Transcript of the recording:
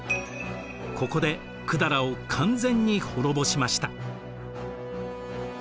ここで百済を完全に滅ぼしました。